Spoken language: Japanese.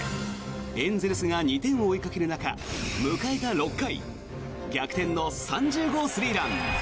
エンゼルスが２点を追いかける中迎えた６回逆転の３０号スリーラン。